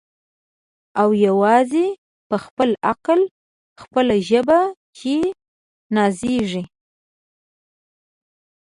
او یوازي په خپل عقل خپله ژبه چي نازیږي